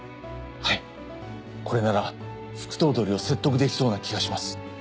はいこれなら副頭取を説得できそうな気がします。